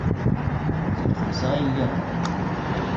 Seg lxemsa ay lliɣ da.